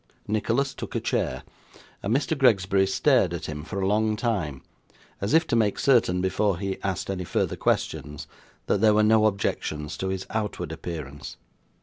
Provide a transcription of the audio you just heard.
Nicholas took a chair, and Mr. Gregsbury stared at him for a long time, as if to make certain, before he asked any further questions, that there were no objections to his outward appearance.